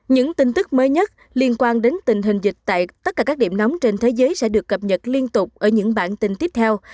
những tin tức mới nhất liên quan đến tình hình dịch tại tất cả các điểm nóng trên thế giới sẽ được cập nhật liên tục ở những bản tin tiếp theo